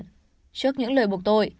trước những lời buộc tội